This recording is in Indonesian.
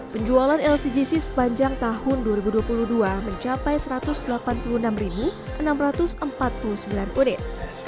penjualan lcgc sepanjang tahun dua ribu dua puluh dua mencapai satu ratus delapan puluh enam enam ratus empat puluh sembilan unit